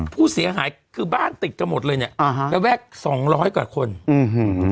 ผู้เสียหายคือบ้านติดกันหมดเลยเนี้ยอ่าฮะระแวกสองร้อยกว่าคนอืม